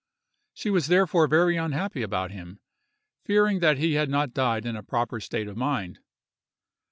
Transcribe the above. She was therefore very unhappy about him, fearing that he had not died in a proper state of mind.